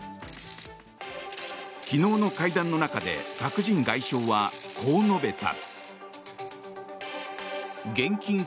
昨日の会談の中でパク・ジン外相はこう述べた。